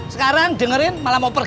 sekarang dengerin malah mau pergi